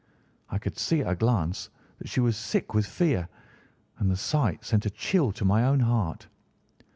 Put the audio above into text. I could see at a glance that she was sick with fear, and the sight sent a chill to my own heart.